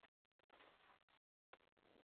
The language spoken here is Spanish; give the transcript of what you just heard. Los ferries son irregulares.